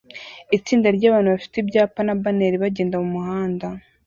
Itsinda ryabantu bafite ibyapa na banneri bagenda mumuhanda